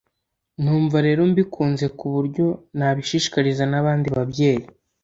numva rero mbikunze ku buryo nabishishikariza n’abandi babyeyi”